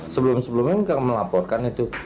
sebelum sebelumnya melaporkan itu